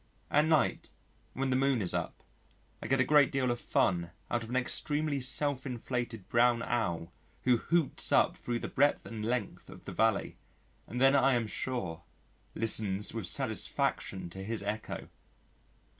At night, when the moon is up, I get a great deal of fun out of an extremely self inflated Brown Owl, who hoots up through the breadth and length of the valley, and then I am sure, listens with satisfaction to his echo.